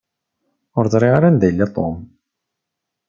Ur ẓṛiɣ anda i yella Tom.